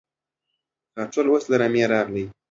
خاټول اوس له رمې راغی.